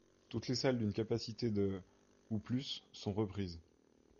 Toutes les salles d'une capacité de ou plus sont reprises.